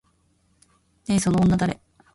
ねえ、その女誰？